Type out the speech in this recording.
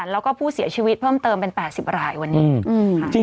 แล้วก็ผู้เสียชีวิตเพิ่มเติมเป็น๘๐รายวันนี้